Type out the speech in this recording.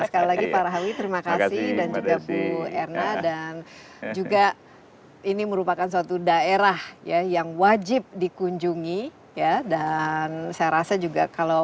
sekali lagi pak rahawi terima kasih dan juga bu erna dan juga ini merupakan suatu daerah ya yang wajib dikunjungi ya dan saya rasa juga kalau